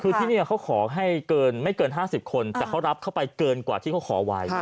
คือที่นี่เขาขอให้เกินไม่เกิน๕๐คนแต่เขารับเข้าไปเกินกว่าที่เขาขอไว้